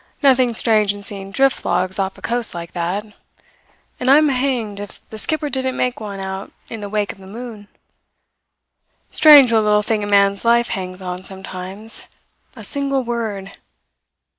Nothing strange in seeing drift logs off a coast like that; and I'm hanged if the skipper didn't make one out in the wake of the moon. Strange what a little thing a man's life hangs on sometimes a single word!